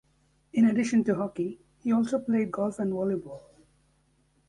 In addition to hockey, he also played golf and volleyball.